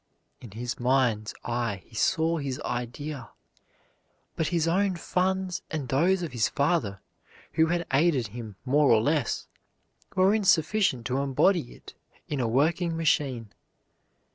In his mind's eye he saw his idea, but his own funds and those of his father, who had aided him more or less, were insufficient to embody it in a working machine.